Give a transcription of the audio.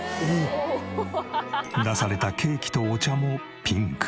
出されたケーキとお茶もピンク。